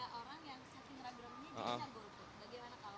oke nah sebenarnya kan ada orang yang sehingga ragu ragu ini bisa golput